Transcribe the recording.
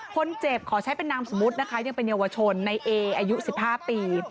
คนเจ็บขอใช้เป็นนามสมมุตินะคะยังเป็นเยาวชนในเออายุ๑๕ปี